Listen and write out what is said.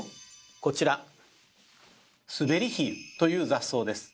こちら「スベリヒユ」という雑草です。